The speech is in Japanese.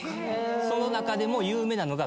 その中でも有名なのが。